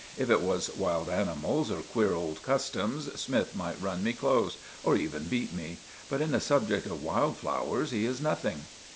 If it was wild animals, or queer old customs, Smythe might run me close, or even beat me; but in the subject of wild flowers he is nothing.